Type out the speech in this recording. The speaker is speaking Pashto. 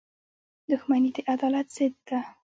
• دښمني د عدالت ضد ده.